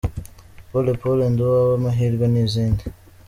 ‘Pole Pole,’ ‘Ndi Uwawe,’ ‘Amahirwe’ n’izindi.